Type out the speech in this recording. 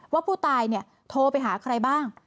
ว่าผู้ตายโทรไปหาใครบ้าง